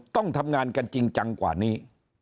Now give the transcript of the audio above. ต้องทำงานกันจริงจังกว่านี้